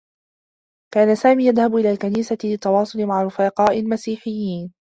كان سامي يذهب إلى الكنيسة للتّواصل مع رفقاء مسيحيّين.